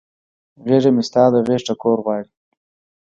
غیږه مې ستا د غیږ ټکور غواړي